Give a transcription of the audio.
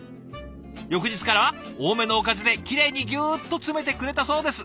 翌日からは多めのおかずできれいにギュッと詰めてくれたそうです。